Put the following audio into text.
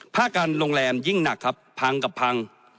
ภาคการโรงแรมยิ่งหนักครับพังกับพัง